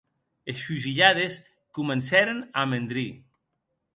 Es fusilhades comencèren a amendrir.